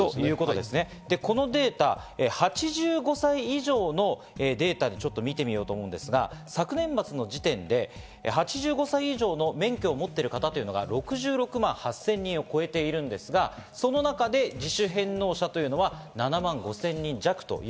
で、このデータ、８５歳以上のデータを見てみようと思うんですが、昨年末の時点で８５歳以上の免許を持っている方が６６万８０００人を超えているんですが、その中で自主返納者が７万５０００人弱。